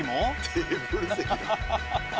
テーブル席だ。